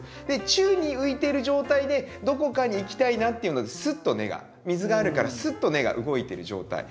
宙に浮いてる状態でどこかに行きたいなっていうのでスッと根が水があるからスッと根が動いてる状態。